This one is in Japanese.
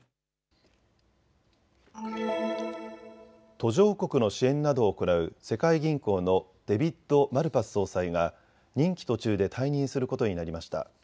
途上国の支援などを行う世界銀行のデビッド・マルパス総裁が任期途中で退任することになりました。